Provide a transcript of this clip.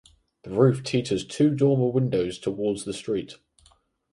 The roof teatures two dormer windows towards the street.